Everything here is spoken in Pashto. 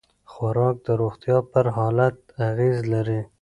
خوراک د روغتیا پر حالت اغېز لري.